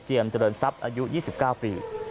เจียมเจริญทรัพย์อายุ๒๙ปี